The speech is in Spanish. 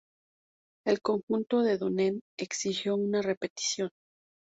El conjunto de Dunedin exigió una repetición.